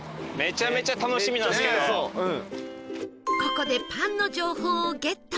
ここでパンの情報をゲット